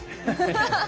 ハハハハ！